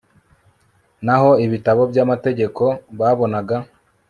naho ibitabo by'amategeko babonaga